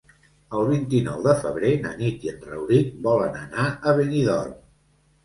El vint-i-nou de febrer na Nit i en Rauric volen anar a Benidorm.